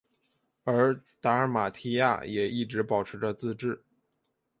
而达尔马提亚也一直保持着自治。